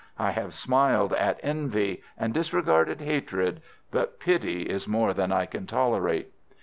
I have smiled at envy, and disregarded hatred, but pity is more than I can tolerate.